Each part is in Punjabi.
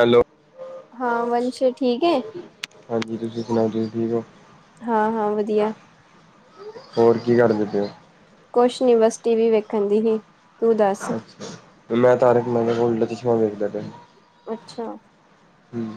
ਹੈਲੋ ਹਾਂ ਵੰਸ਼ ਠੀਕ ਏ? ਹਾਂਜੀ ਤੁਸੀਂ ਸੁਣਾਓ ਤੁਸੀਂ ਠੀਕ ਓ ਹਾਂ-ਹਾਂ ਵਧੀਆ। ਹੋਰ ਕੀ ਕਰਦੇ ਪਏ ਹੋ? ਕੁਛ ਨੀ ਯੂਨੀਵਰਸਿਟੀ ਵੀ ਵੇਖਣ ਦੀ ਹੀ। ਤੂੰ ਦੱਸ ਅੱਛ ਮੈਂ ਤਾਰਕ ਮਹਿਤਾ ਦਾ ਉਲਟਾ ਚਸ਼ਮਾ ਵੇਖਦਾ ਪਯਾ। ਅੱਛਾ। ਹਮ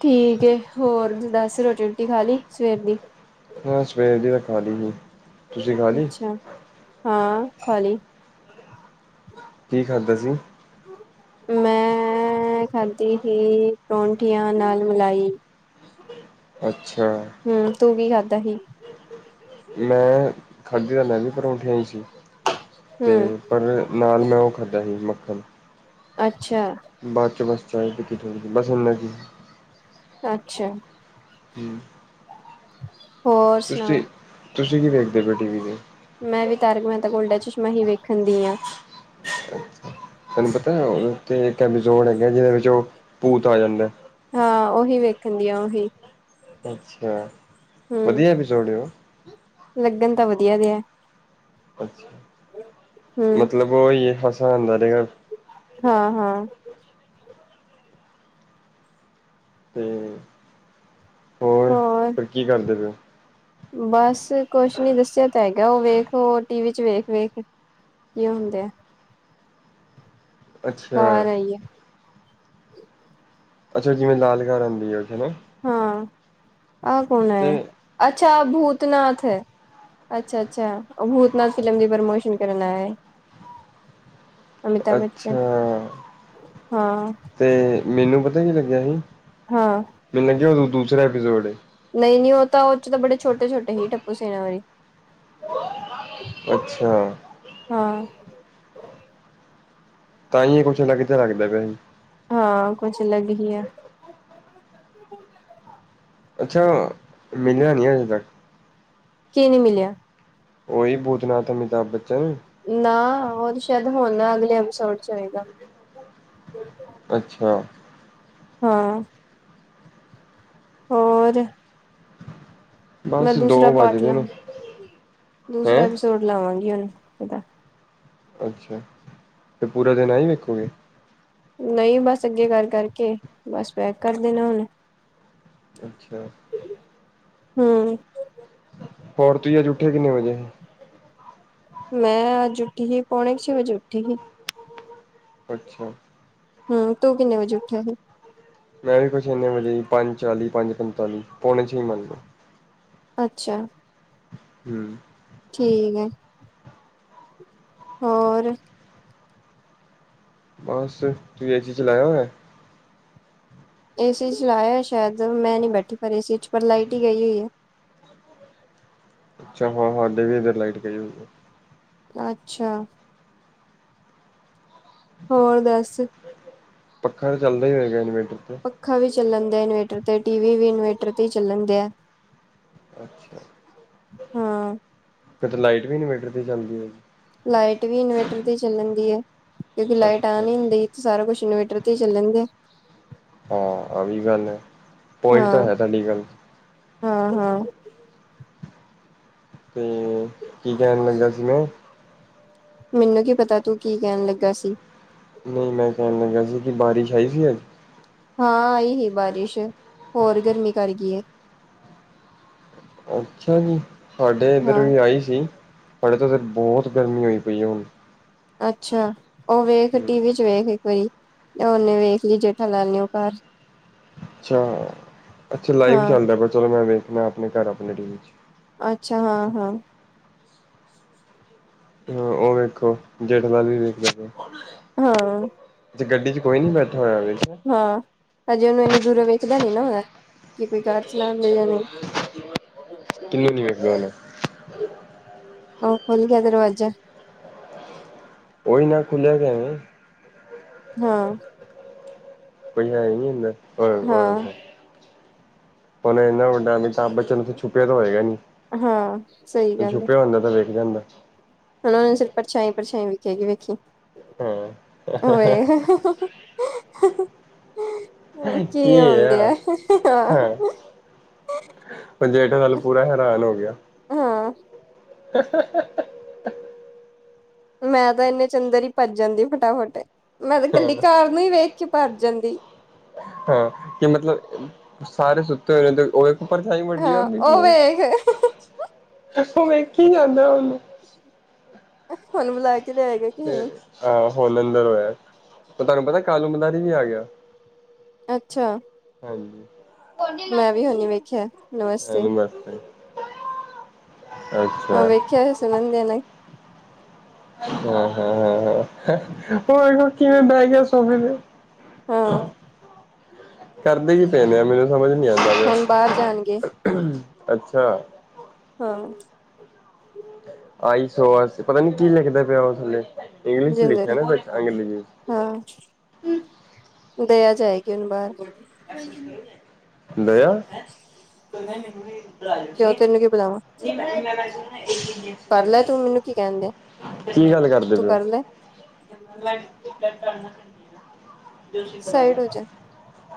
ਠੀਕ ਏ ਹੋਰ ਦੱਸ ਰੋਟੀ ਰੂਟੀ ਖਾ ਲੀ ਸਵੇਰ ਦੀ। ਹਾਂ ਸਵੇਰ ਦੀ ਤੇ ਖਾ ਲੀ ਸੀ। ਤੁਸੀਂ ਖਾ ਲਈ ਅੱਛਾ -ਹਾਂ ਖਾਲੀ। ਕੀ ਖਾਧਾ ਸੀ? ਮੈਂ ਖਾਧੀ ਹੀ ਪਰੌਂਠੀਆਂ ਨਾਲ ਮਲਾਈ। ਅੱਛਾ। ਹਮ ਤੂੰ ਕੀ ਖਾਧਾ ਹੀ? ਮੈਂ ਖਾਦੀ ਤਾਂ ਮੈਂ ਵੀ ਪਰੌਂਠੀਆਂ ਸੀ, ਤੇ ਹੂੰ ਪਰ ਨਾਲ ਮੈਂ ਓ ਖਾਧਾ ਸੀ ਮੱਖਣ। ਅੱਛਾ। ਬਾਦ 'ਚ ਬਸ ਚਾਏ ਪੀਤੀ ਥੋੜੀ ਜੀ। ਬਸ ਹੁੁਣ ਮੈਂ ਜ ਅੱਛਾ। ਹੂੰ ਹੋਰ ਸੁਣਾ ਹੋਰ-ਤੁਸੀਂ -ਤੁਸੀਂ ਕੀ ਵੇਖਦੇ ਪੇ ਓ ਟੀ ਵੀ ਤੇ। ਮੈਂ ਵੀ ਤਾਰਿਕ ਮਹਿਤਾ ਕਾ ਉਲਟਾ ਚਸ਼ਮਾ ਈ ਵੇਖਣ ਦੀ ਆਂ। ਤਾਨੂੰ ਪਤਾ ਓਦੇ ਉੱਤੇ ਇੱਕ ਐਪੀਸੋਡ ਹੈਗਾ, ਜਿਦੇ ਵਿੱਚ ਓ ਭੂਤ ਆ ਜਾਂਦਾ। ਹਾਂ ਓਹੀ ਵੇਖਣ ਦੀ ਆ ਓਹੀ। ਅੱਛਾ। ਵਧੀਆ ਹਮ ਐਪੀਸੋਡ ਏ ਉਹ ਲੱਗਣ ਤਾਂ ਵਧੀਆ ਦਿਆ। ਅੱਛਾ ਹੂੰ ਮਤਲਬ ਓਈ ਏ ਹਸਾਨ ਡਿਆ। ਹਾਂ ਹਾਂ। ਤੇ ਹੋਰ ਫਿਰ ਕੀ ਕਰਦੇ ਪਏ ਓ ਬਸ ਕੁਛ ਨੀ ਦੱਸਿਆ ਤਾਂ ਹੈਗਾ ਓ ਵੇਖ ਓ ਟੀਵ 'ਚ ਵੇਖ ਵੇਖ। ਇ ਊਈ ਹੁੰਦਾ। ਅੱਛਾ ਕਾਰ ਆਈ ਆ। ਅੱਛਾ ਜਿਵੇਂ ਲਾਲ ਕਾਰ ਆਂਦੀ ਆ ਓਥੇ ਨਾ। ਹਾਂ ਆਹ ਕੌਣ ਐ, ਅੱਛਾ ਭੂਤਨਾਥ। ਅੱਛਾ ਅੱਛਾ ਭੂਤਨਾਥ ਫਿਲਮ ਦੀ ਪ੍ਰਮੋਸ਼ਨ ਕਰਨ ਆਇਆ। ਅਮਿਤਾਭ ਬੱਚਨ ਅੱਛਾ ਹਾਂ -ਤੇ ਮੈਨੂੰ ਪਤਾ ਕੀ ਲੱਗਿਆ ਹੀ ਹਾਂ ਮਿਨੂੰ ਲਗਿਆ ਓ ਦੂਸਰਾ ਐਪੀਸੋਡ ਏ। ਨਈ ਨਈ ਓ ਤਾਂ ਓ 'ਚ ਤਾਂ ਬੜੇ ਛੋਟੇ ਛੋਟੇ ਹੀ ਟੱਪੂ ਸੇਨਾ ਵਰੀ। ਅੱਛਾ। ਹਾਂ ਤਾਂਈਓ ਕੁਛ ਲੱਗਦਾ ਲੱਗਦਾ ਪਿਆ ਹੀ। ਹਾਂ ਕੁਛ ਲਗ ਜਿਆ। ਅੱਛਾ ਮਿਲਿਆ ਨੀ ਅਜੇ ਤੱਕ। ਕੀ ਨੀ ਮਿਲਿਆ? ਓਈ ਭੂਤਨਾਥ ਅਮਿਤਾਭ ਬੱਚਨ। ਨਾ ਓ ਤੇ ਸ਼ੈਦ ਹੋਣ ਅਗਲੇ ਐਪੀਸੋਡ 'ਚ ਹੋਏਗਾ। ਅੱਛਾ। ਹਾਂ ਹੋਰ ਮੈਂ ਬਸ ਦੋ ਦੂਸਰਾ ਵੱਜ ਪਾਟ ਗਏ ਨੇ ਲਾਵਾਂ, ਦੂਸਰਾ ਹੈਂ ਐਪੀਸੋਡ ਲਾਵਾਂਗੀ ਹੁਣ ਓਦਾ। ਅੱਛਾ ਤੇ ਪੂਰਾ ਦਿਨ ਆ ਈ ਵੇਖੋਗੇ। ਨਹੀਂ ਬਸ ਅੱਗੇ ਕਰ ਕਰਕੇ ਬਸ ਪੈਕ ਕਰ ਦੇਣਾ ਹੁਣ ਅੱਛਾ ਹਮ ਹੋਰ ਤੁਸੀ ਅਜ ਉਠੇ ਕਿਨੇ ਵਜੇ ਮੈਂ ਅੱਜ ਉੱਠੀ ਸੀ ਪੌਣੇ ਛੇ ਵਜੇ ਉੱਠੀ ਸੀ ਅੱਛਾ ਹਮ ਤੂੰ ਕਿੰਨੇ ਵਜੇ ਉਠਿਆ ਸੀ ਮੈਂ ਵੀ ਕੁਛ ਇੰਨੇ ਵਜੇ ਪੰਜ ਚਾਲੀ ਪੰਜ ਪੰਤਾਲੀ ਪੌਣੇ ਛ ਹੀ ਮੰਨ ਅੱਛਾ ਹਮ ਠੀਕ ਹੈ ਹੋਰ ਬਸ ਤੂੰ ਏ ਜੀ ਚਲਾਇਓ ਹੈ ਏਸੀ ਚ ਲਾਇਆ ਸ਼ਾਇਦ ਮੈਂ ਨੀ ਬੈਠੀ ਪਰ ਏ ਸੀ ਚ ਪਰ ਲਾਈਟ ਹੀ ਗਈ ਹੋਈ ਹੈ ਅੱਛਾ ਹਾਂ ਹਡ ਵੀ ਇਧਰ ਲਾਈਟ ਗਿਏ ਹੋਈ ਅੱਛਾ ਹੋਰ ਦੱਸ ਪੱਖਾ ਤੇ ਚੱਲਦਾ ਹੀ ਹੋਏਗਾ ਇਨਵੇਟਰ ਤੇ ਪੱਕਾ ਵੀ ਚੱਲਣ ਡ ਇਨਵੇਟਰ ਤੇ ਟੀ ਵੀ ਇਨਵੇਟਰ ਤੇ ਚੱਲਣ ਡ ਆ ਅੱਛਾ ਹਾਂ ਫੇਰ ਤਾਂ ਲਾਈਟ ਵੀ ਇਨਵਰਟਰ ਤੇ ਚੱਲਦੀ ਐ। ਲਾਈਟ ਵੀ ਇਨਵੇਰਟਰ ਤੇ ਚੱਲਣ ਦੀ ਐ। ਕਿਉਂਕਿ ਲਾਈਟ ਅੱਛਾ ਆਉਣ ਹੀ ਨਹੀਂ ਦਈ ਤੇ ਸਾਰਾ ਕੁਛ ਇਨਵੇਟਰ ਤੇ ਹੀ ਚੱਲਣਗੇ। ਹਾਂ ਆਵੀ ਗੱਲ ਐ ਪੁਆਇੰਟ ਤਾਂ ਹਾਂ ਹੈ ਤੁਹਾਡੀ ਗੱਲ ਹਾਂ ਹਾਂ ਤੇ ਕੀ ਕਹਿਣ ਲੱਗਾ ਸੀ ਮੈਂ ਮੈਨੂੰ ਕੀ ਪਤਾ ਤੂੰ ਕੀ ਕਹਿਣ ਲੱਗਾ ਸੀ? ਨਹੀਂ ਮੈਂ ਕਹਿਣ ਲੱਗਾ ਸੀ ਕਿ ਬਾਰਿਸ਼ ਆਈ ਸੀ ਅੱਜ? ਹਾਂ ਆਈ ਸੀ ਬਾਰਿਸ਼ ਹੋਰ ਗਰਮੀ ਕਰ ਗਈ ਏ। ਅੱਛਾ ਜੀ ਸਾਡੇ ਇੱਧਰ ਹਾਂ ਵੀ ਆਈ ਸੀ ਸਾਡੇ ਤਾਂ ਫਿਰ ਬਹੁਤ ਗਰਮੀ ਹੋਈ ਪਈ ਹੁਣ ਅੱਛਾ ਉਹ ਵੇਖ ਟੀ ਵੀ ਚ ਵੇਖ ਇੱਕ ਵਾਰੀ ਉਹਨੇ ਵੇਖ ਲਈ ਜੇਠਾ ਲਾਲ ਨੇ ਉਹ ਘਰ ਅੱਛਾ ਅੱਛਾ ਲਾਈਵ ਹਾਂ ਚੱਲ ਰਿਹਾ ਪਰ ਚਲੋ ਮੈਂ ਵੇਖਣਾ ਆਪਣੇ ਘਰ ਆਪਣੇ ਟੀ-ਵੀ ਚ। ਅੱਛਾ ਹਾਂ ਹਾਂ ਹਾਂ ਉਹ ਵੇਖੋ ਜੇਠਾ ਲਾਲ ਵੀ ਵੇਖ ਲ ਹਾਂ ਗੱਡੀ ਚ ਕੋਈ ਨਹੀਂ ਬੈਠਾ ਹੋਇਆ ਵਿੱਚ। ਹਾਂ ਅਜੇ ਉਹਨੂੰ ਇੰਨੀ ਦੂਰੋਂ ਵੇਖਦਾ ਨੀ ਨਾ ਕਿ ਕੋਈ ਕਾਰ ਚਲਾਉਦੇ ਜਾਂ ਨਹੀਂ। ਕਿਨੂੰ ਨੀ ਵੇਖਦੇ ਹੁਣ? ਉਹ ਖੁੱਲ ਗਿਆ ਦਰਵਾਜਾ। ਓਹੀ ਨਾ ਖੁੱਲਿਆ ਗਿਆ ਵੇ। ਹਾਂ ਕੋਈ ਹੈ ਨਹੀਂ ਅੰਦਰ ਓਹ ਉਹ ਹਾਂ ਦੇਖ ਹੁਣ ਇਨਾ ਵੱਡਾ ਅਮਿਤਾਬ ਬਚਨ ਉੱਥੇ ਛੁਪਿਆ ਤਾਂ ਹੋਏਗਾ ਨੀ। ਹਾਂ ਸਹੀ ੳਹ ਗੱਲ ਹੈ ਛੁੱਪਿਆ ਹੁੰਦਾ ਤਾਂ ਵਿਖ ਜਾਂਦਾ। ਹੁਣ ਉਹਨੂੰ ਸਿਰ ਪਰਛਾਈ ਪਰਛਾਈ ਵਿਖੇਗੀ ਵੇਖੀ। ਹਾਂ ੳਏ ਹਾ ਹਾ ਹਾ ਕੀ ਹੋਣ ਦਿਆ ਏ? ਜੇਠਾ ਲਾਲ ਪੂਰਾ ਹੈਰਾਨ ਹੋ ਗਿਆ। ਹਾਂ। ਹਾ -ਹਾ- ਹਾ ਮੈਂ ਤਾਂ ਇੰਨੇ ਚ ਅੰਦਰ ਹੀ ਭੱਜ ਜਾਂਦੀ ਫਟਾਫਟ। ਮੈਂ ਤਾਂ ਕੱਲੀ ਕਾਰ ਨੂੰ ਹੀ ਵੇਖ ਕੇ ਭੱਜ ਜਾਂਦੀ। ਹਾਂ। ਕਿ ਮਤਲਬ ਸਾਰੇ ਸੁੱਤੇ ਹੋਏ ਨੇ ਉਹ ਉਹ ਪਰਛਾਈ ਵੱਡੀ ਹਾਂ ਹੁੰਦੀ। ਉਹ ਵੇਖ ਦੱਸ ਕੀ ਹੁੰਦਾ ਉਹਨੂੰ। ਹੁਣ ਬੁਲਾ ਕੇ ਲਿਆਏਗਾ ਕੀਨੂੰ ਆ ਹੁਣ ਅੰਦਰ ਹੋਇਆ। ਤੁਹਾਨੂੰ ਪਤਾ ਕਾਲੂ ਮਦਾਰੀ ਵੀ ਆ ਗਿਆ। ਅੱਛਾ। ਹਾਂਜੀ। ਮੈਂ ਵੀ ਹੁਣੀ ਵੇਖਿਆ। ਨਮਸਤੇ ਹੈਲੋ ਮੈਮ। ਅੱਛਾ। ਕਲਸ ਮੰਨ [inaudible] [inaudible] ਓ ਇਹਨੂੰ ਕਿਵੇਂ ਬੈ ਗਿਆ ਸੋਫੇ ਤੇ। ਹਾਂ [unintelligible] ਕਰਦੇ ਕੀ ਪਏ ਨੇ। ਮੈਨੂੰ ਸਮਝ ਨੀ ਆਉਂਦਾ ਹੁਣ ਬਾਹਰ ਜਾਣਗੇ ਪਿਆ। ਅੱਛਾ! ਹਾਂ। ਆਈ ਸੋ ਪਤਾ ਨੀ ਕੀ ਲਿਖਦਾ ਪਿਆ। ਉਹ ਥੱਲੇ ਇੰਗਲਿਸ਼ ਚ ਲਿਖਿਆ ਜਿੰਦਰ ਨਾ ਬ ਅੰਗਰੇਜ਼ੀ ਹਾਂ। ਦਿਆ ਜਾਏਗੀ ਉਹਬਾਹਰ ਦਿਆ। ਕਿਉਂ ਤੈਨੂੰ ਕੀ ਬੁਲਾਵਾਂ ਕਰ ਲੈ ਤੂੰ ਮੈਨੂੰ ਕੀ ਕਹਿੰਦੇ ਕੀ ਗੱਲ ਕਰਦੇ ਤੂੰ ਪਏ ੳ? ਕਰ ਲੈ ਦਸ਼ [unintelligible] ਸਾਈਡ ਹੋ ਜਾ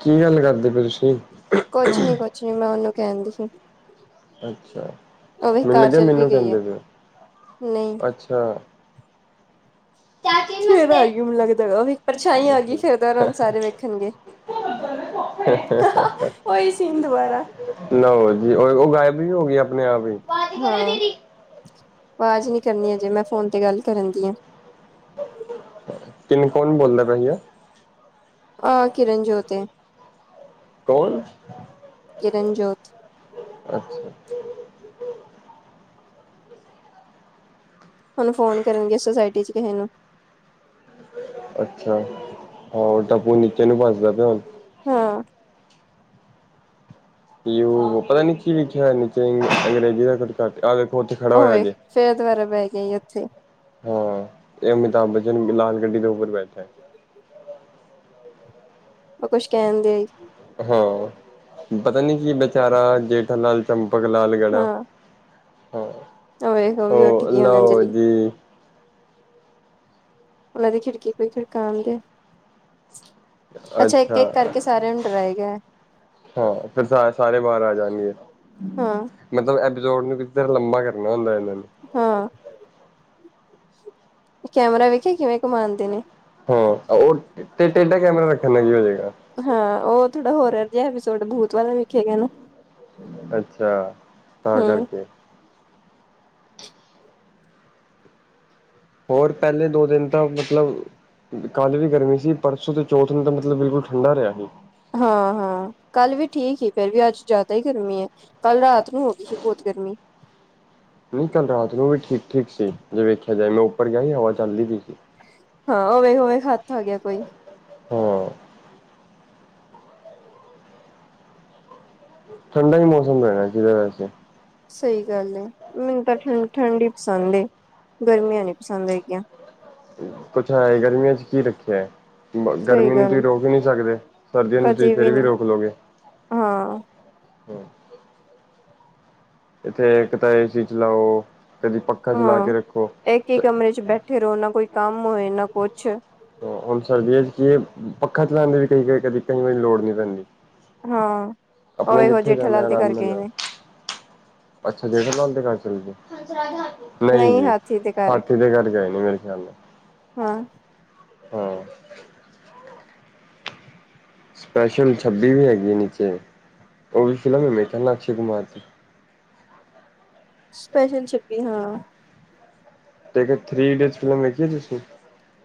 ਕੀ ਗੱਲ ਕਰਦੇ ਪਏ ਤੁਸੀਂ? ਕੁਛ ਨੀ ਕੁਛ ਨੀ। ਮੈਂ ਉਹਨੂੰ ਕਹਿਣਦੀ ਸੀ। ਅੱਛਾ। ਉਹ ਵੀ ਮੈਨੂੰ ਕਾਰ ਲੱਗਿਆ ਚੱਲ ਵੀ ਮੈਨੂੰ ਗਈ ਹੈ ਕਹਿੰਦੇ ਪਏ ਨਹੀਂ ਓ। ਅੱਛਾ ਕੀ [unintelligible] ਫੇਰ ਆ ਗਈ ਮੈਨੂੰ ਲੱਗਦਾ ਉਹ ਇੱਕ ਪਰਛਾਈ ਆ ਗਈ ਫੇਰ ਦੌਰਾਨ ਸਾਰੇ ਵੇਖਣਗੇ ਹਾ ਹਾ ਉਹੀ ਸੀਨ ਦੁਬਾਰਾ ਨਾ ਜੀ। ਉਹ ਉਹ ਗਾਇਬ ਵੀ ਹੋ ਗਈ ਆਪਣੇ ਆਪ ਹੀ। ਹਾਂ। ਕਰੋ ਦੀਦੀ ਆਵਾਜ਼ ਨੀ ਕਰਨੀ ਅਜੇ ਮੈਂ ਫੋਨ ਤੇ ਗੱਲ ਕਰਨ ਦੀ ਆ। ਤੈਨੂੰ ਕੌਣ ਬੋਲਦਾ ਪਿਆ ਸੀਗਾ? ਆਹ ਕਿਰਨਜੋਤ ਏ। ਕੌਣ? ਕਿਰਨਜੋਤ ਅੱਛਾ। ਹੁਣ ਫੋਨ ਕਰਨਗੇ। ਸੋਸਾਇਟੀ ਚ ਕਿਸੇ ਨੂੰ। ਅੱਛਾ। ਹਾਂ ਤਾਂਪੂ ਨੀਚੇ ਨੂੰ ਭਜਦਾ ਪਿਆ। ਹੁਣ ਹਾਂ। ਲਿਓ ਪਤਾ ਨੀ ਕੀ ਲਿਖਿਆ ਨੀੱਚੇ ਅੰਗਰੇਜ਼ੀ ਦਾ। ਆ ਦੇਖੋ। ਉੱੱਠ ਖੜਾ ਉਹ ਹੋਇਆ ਵੇਖ ਜੇ। ਫੇਰ ਦੁਬਾਰਾ ਬਹਿ ਗਈ ਉੱਥੇ ਹਾਂ। ਇਹ ਅਮਿਤਾਭ ਬੱਚਨ ਵੀ ਲਾਲ ਗੱਡੀ ਦੇ ਉੱਪਰ ਬੈਠਾ। ਉਹ ਕੁੱਛ ਕਹਿਣ ਦਿਆ ਈ। ਹਾਂ। ਪਤਾ ਨੀ ਕੀ ਬੇਚਾਰਾ ਜੇਠਾ ਲਾਲ ਚੰਪਕ ਲਾਲ ਗੜ੍ਹਾ। ਹਾਂ ਹਾਂ। ਉਹ ਵੇਖ ਉਹ ਵੀ ਉੱਠ ਹੋ ਗਈ ਹੁਣ ਲਓ ਅੰਜਲੀ ਜੀ। ਉਹਨਾਂ ਦੀ ਖਿੜਕੀ ਕੋਈ ਖਿੜਕਾਣ ਦਿਆ। ਅੱਛਾ। ਇੱਕ- ਇੱਕ ਕਰਕੇ ਸਾਰਿਆਂ ਨੂੰ ਡਰਾਏ ਗਾ। ਹਾਂ। ਫੇਰ ਸਾਰੇ ਬਾਹਰ ਆ ਜਾਣਗੇ। ਹਾਂ ਮਤਲਬ ਐਪੀਸੋਡ ਨੂੰ ਕਿੱਧਰ ਲੰਬਾ ਕਰਨਾ ਹੁੰਦਾ ਇਹਨਾਂ ਨੇ। ਹਾਂ ਆ ਕੈਮਰਾ ਵੇਖਿਆ ਕਿਵੇਂ ਕਮਾ ਆਦੇ ਨੇ ਹਾਂ ਔਰ ਤੇੇ ਟੇਡਾ ਕੈਮਰਾ ਰੱਖਣ ਦਾ ਕੀ ਹੋ ਜੇ ਗਾ ਹਾਂ ਉਹ ਥੋੜਾ ਹੋਰਲ ਜਿਹਾ ਐਪੀਸੋਡ ਬੂਤ ਵਾਲਾ ਆ ਵੇਖੇ ਗਾ ਨਾ ਅੱਛਾ ਆ ਤਾਂ ਹਮ ਕਰਕੇ ਏ ਹੋਰ ਪਹਿਲੇ ਦੋ ਦਿਨ ਤਾਂ ਮਤਲਬ ਕਾਨ ਵੀ ਗਰਮੀ ਸੀ ਈ ਪਰਸੋਂ ਤੇ ਚੌਥਨ ਮਤਲਬ ਬਿਲਕੁਲ ਠੰਡਾ ਰਿਹਾ ਸੀ ਹਾਂ ਹਾਂ ਕੱਲ ਵੀ ਠੀਕ ਈ ਫੇਰ ਵੀ ਅੱਜ ਜ਼ਿਆਦਾ ਹੀ ਗਰਮੀ ਐ ਕੱਲ ਰਾਤ ਨੂੰ ਹੋ ਗਈ ਸੀ ਬਹੁਤ ਗਰਮੀ ਈ ਨਹੀ ਕੱਲ ਰਾਤ ਨੂੰ ਵੀ ਠੀਕ ਠੀਕ ਸੀ ਜੇ ਵੇਖਿਆ ਜਾਵੇ ਮੈਂ ਉੱਪਰ ਗਿਆ ਹੀ ਹਵਾ ਚੱਲਦੀ ਪਈ ਸੀ ਈ ਹਾਂ ਉਵੇ ਉਵੇ ਹੱਥ ਆ ਗਿਆ ਕੋਈ ਭਾਮਾ ਆ ਠੰਡਾ ਈ ਮੌਸਮ ਹੈਗਾ ਜਿਹਦਾ ਵੈਸੇ ਏ ਸਹੀ ਗੱਲ ਏ ਮੈਨੂੰ ਤਾਂ ਠੰ ਠੰਢ ਹੀ ਪਸੰਦ ਏ ਗਰਮੀਆਂ ਨੀ ਪਸੰਦ ਹੈਗੀਆਂ ਕੁੱਛ ਹੈਏ ਗਰਮੀਆਂ ਚ ਕੀ ਰੱਖਿਆ ਐ ਬਾ ਸਹੀ ਗਰਮੀ ਨੂੰ ਗੱਲ ਤੁਸੀਂ ਰੋਕ ਈ ਨਹੀਂ ਸਕਦੇ ਏ ਸਰਦੀਆਂ ਨੂੰ ਤੁਸੀਂ ਕਦੇ ਫੇਿਰ ਵੀ ਨੀ ਰੋਕ ਲੋਓਗੇ ਏ ਹਾਂ ਆ ਬਸ ਇੱਥੇ ਇੱਕ ਤਾਂ ਆ ਏ ਸੀ ਚਲਾਓ ਕਦੀ ਪੱਖਾ ਚਲਾ ਹਾਂ ਕੇ ਰੱਖੋ ਇੱਕ ਈ ਕਮਰੇ ਚ ਬੈਠੇ ਰਹੋ ਨਾ ਕੋਈ ਕੰਮ ਹੋਏ ਨਾ ਕੁਛ ਆ ਆ ਹੁਣ ਸਰਦੀਆਂ ਚ ਕੀ ਏ ਪੱਖਾ ਚਲਾਦੀ ਵੀ ਕ ਕਦੇ ਕਈ ਵਾਰੀ ਲੋੜ ਨਹੀਂ ਪੈਂਦੀ ਈ ਹਾਂ ਉਹਵੇ ਹੋੋ ਜੇਠਾ ਜਾਣਾ ਲਾਲ ਤੇ ਆਰਾਮ ਨਾਲ ਕਰਕੇ ਏ ਜਾਓ ਨੇ ਅੱਛਾ ਜੇਠ ਨਾਲ ਦਕਾਨ ਕਰੀ ਨਹੀਂ ਜੀ ਹਾਥੀ ਦੇ ਘਰ ਹਾਥੀ ਤੇ ਚੜ ਘਰ ਕੇ ਆਏ ਨੇ ਮੇਰੇ ਖਿਆਲ ਨਾਲ ਹਾਂ ਹਾ ਆ ਸਪੈਸ਼ਲ ਛੱਬੀ ਵੀ ਹੈਗੀ ਐ ਨੀਚੇ ਉਹ ਵੀ ਫਿਲਮ ਮੇ ਕਾ ਅਕਸ਼ੇ ਕੁਮਾਰ ਚ ਸਪੈਸ਼ਲ ਛੱਬੀ ਹੋਣਾ ਆ ਟੇਨ ਥਰੀ ਡੇ ਫਿਲਮ ਵੇਖੀ ਐ ਤੁਸੀਂ ਈ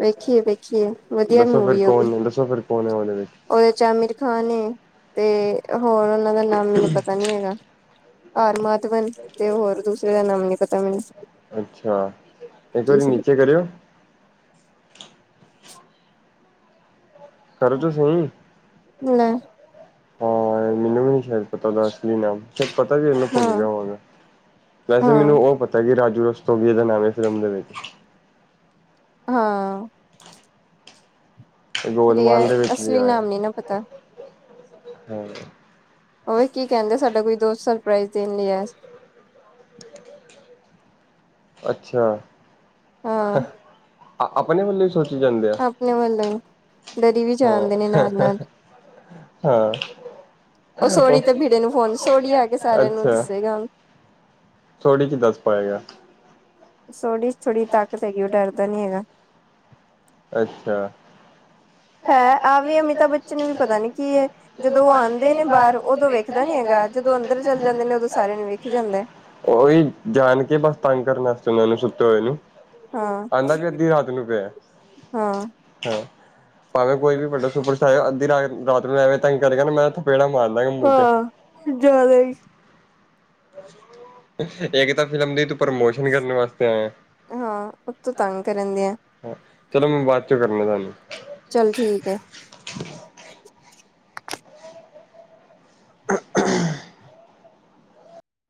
ਵੇਖੀਏ ਵੇਖੀਏ ਵਧੀਆ ਫਿਰ ਮੂਵੀ ਏ ਉ ਵੀ ਈ ਕੌਣ ਦੱਸੋ ਫਿਰ ਕੌਣ ਹੈ ਉਹਦੇ ਵਿੱਚ ਉਹਦੇ ਚ ਅਮਿਰ ਖਾਨ ਏ ਤੇ ਹੋਰ ਉਹਨਾ ਦਾ ਨਾਮ ਮੈਨੂੰ ਪਤਾ ਨੀ ਹੈਗਾ ਆਰ ਮਾਤਵਨ ਤੇ ਹੋਰ ਦੂਸਰੇ ਦਾ ਨਾਮ ਨੀ ਪਤਾ ਮੈਨੂੰ ਅੱਛਾ ਇੱਕ ਕੀ ਵਾਰੀ ਸੀ ਨੀਚੇ ਕਰਿਓ ਕਰੋ ਚੋ ਸਈ ਲੈ ਹਾਂ ਮੈਨੂੰ ਵੀ ਨੀ ਸ਼ਾਇਦ ਪਤਾ ਓਦਾ ਅਸਲੀ ਨਾਮ ਸਾਦ ਪਤਾ ਵੀ ਹੋਵੇ ਭੁੱਲ ਹਾਂ ਗਿਆ ਹੋਵਾਂਗਾ ਵੈਸੇ ਹਾਂ ਮੈਨੂੰ ਉਹ ਪਤਾ ਜੀ ਰਾਜੂ ਰਸਤੋਗੀਏ ਉਦਾ ਨਾਮ ਫਿਲਮ ਦੇ ਵਿੱਚ ਹਾਂ ਆ ਗੋਦਮਾਲ ਰੀਅ ਦੇ ਵਿੱਚ ਵੀ ਅਸਲੀ ਆਇਆ ਨਾਮ ਨੀ ਨਾ ਪਤਾ ਹਾਂ ਉਹ ਵੀ ਕੀ ਕਹਿੰਦੇ ਸਾਡਾ ਕੋਈ ਦੋਸਤ ਸਰਪ੍ਰਜ਼ ਦੇਣ ਲਈ ਆਇਆ ਸੀ ਅੱਛਾ ਆ ਹਾ ਹਾਂ ਆ ਆ ਆਪਣੇ ਵੱਲੋਂ ਸੋਚੇ ਜਾਂਦੇ ਐ ਆਪਣੇ ਵੱਲੋਂ ਹੀ ਡਰੀ ਵੀ ਹ ਜਾਣਦੇ ਨੇ ਹਾਹਾ ਨਾਲ ਨਾਲ ਹਾਂ ਉਹ ਸੋੜੀ ਤੇ ਭੀੜੇ ਨੂੰ ਫੋਨ ਸੋੜੀ ਆ ਕੇ ਸਾਰਿਆਂ ਨੂੰ ਅੱਛਾ ਆ ਦੱਸੇਗਾ ਹੁਣ ਥੋੜੀ ਕ ਦੱਸ ਪਾਏਗਾ ਆ ਸੋਲੀ ਈ ਥੋੜੀ ਤਾਕਤ ਹੈਗੀ ਉਹ ਡਰਦਾ ਨੀ ਹੈਗਾ ਅੱਛਾ। ਹੈ, ਆ ਆਹ ਵੀ ਅਮਿਤਾਭ ਬੱਚਨ ਨੂੰ ਵੀ ਪਤਾ ਨੀ ਕੀ ਐ, ਏ ਜਦੋਂ ਉਹ ਆਉਂਦੇ ਆਂਦੇ ਨੇ ਬਾਹਰ [unintelligible] [unintelligible] ਉਦੋਂ ਵੇਖਦਾ ਨੀ ਹੈਗਾ ਜਦੋਂ ਅੰਦਰ ਚੱਲ ਜਾਂਦੇ ਨੇ ਉਦੋਂ ਸਾਰਿਆਂ ਨੂੰ ਵੇਖੀ ਜਾਂਦਾ ਉਹੀ ਜਾਣ ਕੇ ਬਸ ਤੰਗ ਕਰਨ ਵਾਸਤੇ ਉਹਨਾਂ ਨੂੰ ਸੁੱਤੇ ਹੋਏ ਨੂੰ, ਹਾਂ ਕਹਿੰਦਾ ਵੀ ਅੱਧੀ ਰਾਤ ਨੂੰ ਪਿਆ ਏ। ਹਾਂ। ਹਾਂ। ਭਾਵੇਂ ਕੋਈ ਵੀ ਵਡਾ ਸੁਪਰ ਸਟਾਰ ਅੱਧੀ ਰਾ-ਰਾਤ ਨੂੰ ਆਈ ਤੰਗ ਕਰੇਗਾ ਨਾ ਮੈਂ- ਚਪੇੜਾ ਮਾਰਦਾ ਗਾ ਮੂੰਹ ਤੇ ਹਾਂ ਜ਼ਿਆਦਾ ਈ ਇੱਕ ਤਾਂ ਫਿਲਮ ਦੀ ਤੂੰ ਪ੍ਰਮੋਸ਼ਨ ਕਰਨ ਵਾਸਤੇ ਹਾਂ ਉਤੋਂ ਆਏਆ। ਤੰਗ ਕਰਨ ਦੇ ਆ ਚਲੋ ਮੈਂ ਬਾਅਦ ਚੋਂ ਕਰਨਾ ਤਾਹਾਨੂੰ। ਚਲ ਠੀਕ ਐ। - [unintelligible]